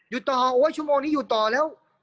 อยู่ต่อโอ้ยชั่วโมงนี้อยู่ต่อแล้ว